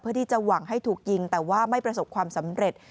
ที่จะหวังให้ถูกยิงแต่ว่าไม่ประสบความสำเร็จ